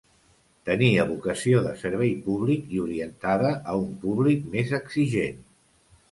Tenia vocació de servei públic i orientada a un públic més exigent.